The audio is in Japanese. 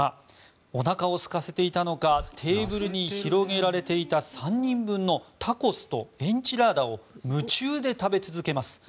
おなかをすかせていたのかテーブルに広げられていた３人分のタコスとエンチラーダを夢中で食べ続けます。